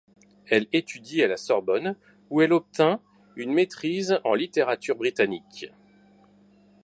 Elle étudie à la Sorbonne où elle obtint une maîtrise en littérature britannique.